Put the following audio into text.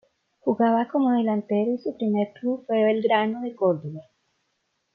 Jugaba como delantero y su primer club fue Belgrano de Córdoba.